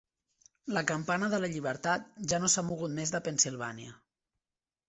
La Campana de la Llibertat ja no s'ha mogut més de Pennsilvània.